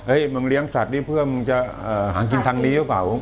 มึงเลี้ยงสัตว์นี้เพื่อมึงจะหากินทางนี้หรือเปล่า